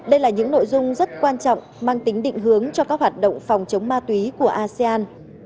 đây là những nội dung rất quan trọng mang tính định hướng cho các hoạt động phòng chống ma túy của asean